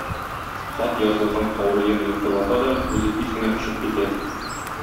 Хат язылган каурыен йолкып ата да, үзе тиз генә очып китә.